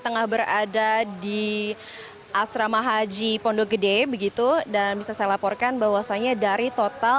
tengah berada di asrama haji pondok gede begitu dan bisa saya laporkan bahwasannya dari total